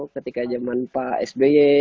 ketika zaman pak sby